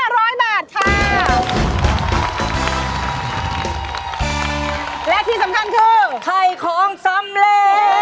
และที่สำคัญคือ